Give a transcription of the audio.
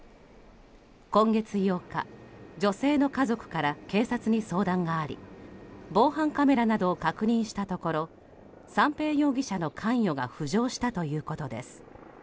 今月８日女性の家族から警察に相談があり防犯カメラなどを確認したところ三瓶容疑者の関与が浮上したということです。